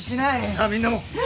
さあみんなも。